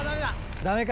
ダメか。